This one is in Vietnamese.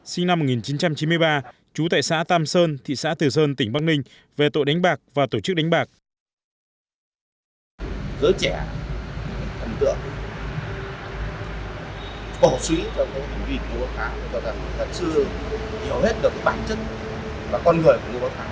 sinh năm một nghìn chín trăm chín mươi ba trú tại xã tam sơn thị xã từ sơn tỉnh bắc ninh về tội đánh bạc và tổ chức đánh bạc